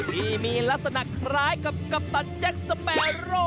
ที่มีลักษณะคล้ายกับกัปตันแจ็คสเปโร่